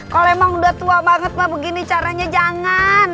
kalo emang udah tua banget mah begini caranya jangan